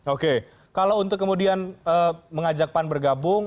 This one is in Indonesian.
oke kalau untuk kemudian mengajak pan bergabung